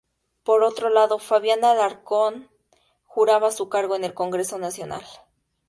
Por otro lado, Fabián Alarcón juraba su cargo en el Congreso Nacional.